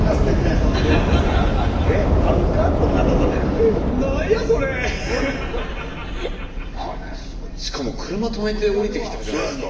スタジオしかも車止めて降りてきたじゃないすか。